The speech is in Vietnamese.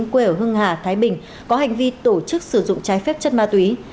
quê ở hưng hà thái bình có hành vi tổ chức sử dụng trái phép chất ma túy